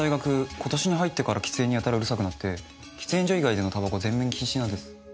今年に入ってから喫煙にやたらうるさくなって喫煙所以外での煙草は全面禁止なんです。